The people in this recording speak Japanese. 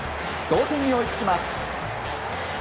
同点に追いつきます。